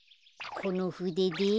このふでで。